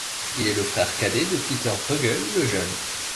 Il est le frère cadet de Pieter Brueghel le Jeune.